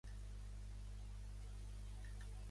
abans d'ahir vaig fer melmelada de mores